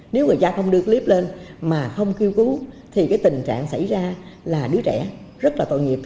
nếu người cha không đưa clip lên mà không kêu cứu thì tình trạng xảy ra là đứa trẻ rất là tội nghiệp